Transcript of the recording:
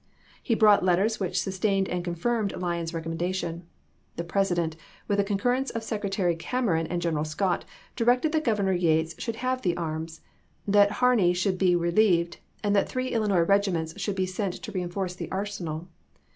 He brought letters which sustained and confirmed Lyon's recommendation. The Pres ident, with the concurrence of Secretary Cameron and General Scott, directed that Governor Yates should have the arms ; that Harney should be re lieved, and that three Illinois regiments should be sent to reenforce the arsenal.